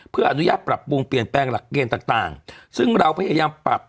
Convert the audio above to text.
เพื่ออนุญาตปรับปรุงเปลี่ยนแปลงหลักเกณฑ์ต่างต่างซึ่งเราพยายามปรับ